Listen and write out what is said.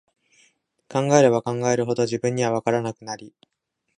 考えれば考えるほど、自分には、わからなくなり、